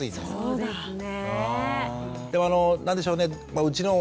そうですね。